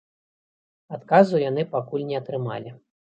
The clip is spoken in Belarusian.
Адказу яны пакуль не атрымалі.